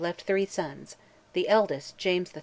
left three sons; the eldest, James III.